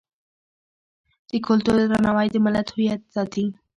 د کلتور درناوی د ملت هویت ساتي.